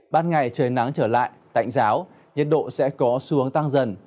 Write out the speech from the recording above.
ban ngày trời nắng trở lại tạnh giáo nhiệt độ sẽ có xuống tăng dần